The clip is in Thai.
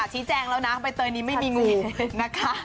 ชี้แจงแล้วนะใบเตยนี้ไม่มีงูนะคะ